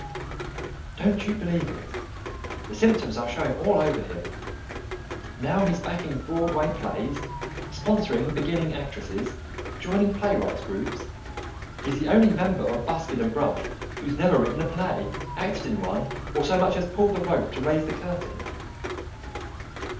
"Don't you believe it. The symptoms are showing all over him. Now he's backing Broadway plays, sponsoring beginning actresses, joining playwrights' groups he's the only member of Buskin and Brush who's never written a play, acted in one, or so much as pulled the rope to raise the curtain."